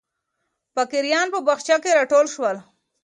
فقیران په باغچه کې راټول شول.